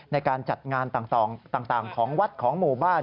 ในการจัดงานต่างของวัดของหมู่บ้าน